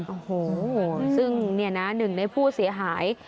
โอ้โหซึ่งเนี่ยนะหนึ่งในผู้เสียหาย